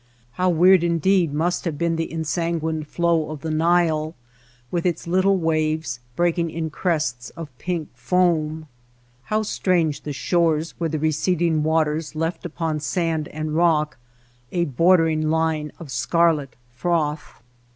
How weird indeed must have been the ensan guined flow of the Nile, with its little waves breaking in crests of pink foam ! How strange the shores where the receding waters left upon sand and rock a bordering line of scarlet froth